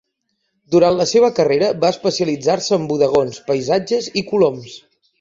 Durant la seva carrera va especialitzar-se en bodegons, paisatges i coloms.